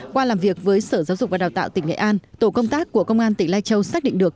qua làm việc với sở giáo dục và đào tạo tỉnh nghệ an tổ công tác của công an tỉnh lai châu xác định được